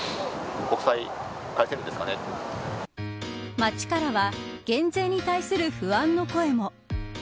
街からは減税に対する不安の声も。